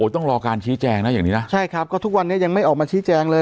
ต้องรอการชี้แจงนะอย่างนี้นะใช่ครับก็ทุกวันนี้ยังไม่ออกมาชี้แจงเลย